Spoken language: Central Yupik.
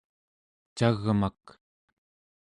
cagmak